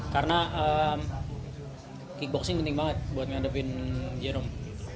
karena kickboxing penting banget buat menghadapin jerome